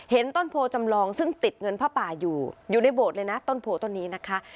ต้นโพจำลองซึ่งติดเงินผ้าป่าอยู่อยู่ในโบสถ์เลยนะต้นโพต้นนี้นะคะ